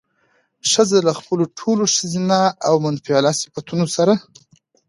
ښځه له خپلو ټولو ښځينه او منفعلو صفتونو سره